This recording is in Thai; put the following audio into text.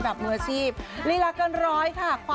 ไม่เชื่อไปฟังกันหน่อยค่ะ